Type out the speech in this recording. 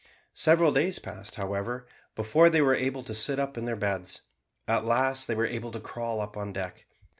Several days passed, however, before they were able to sit up in their beds. At last they were able to crawl up on deck.